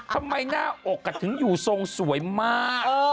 ทำไมหน้าอกถึงอยู่ทรงสวยมาก